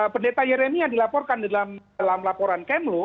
pendeta yeremi yang dilaporkan dalam laporan kemlo